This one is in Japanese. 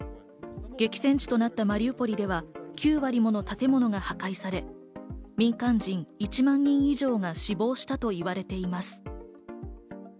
激戦地となったマリウポリでは９割もの建物が破壊され、民間人１万人以上が死亡したといわれています。